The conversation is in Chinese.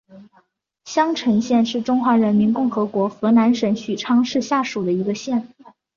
襄城县是中华人民共和国河南省许昌市下属的一个县。